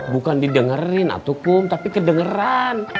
bukan didengerin atukum tapi kedengeran